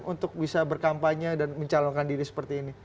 untuk bisa berkampanye dan mencalonkan diri seperti ini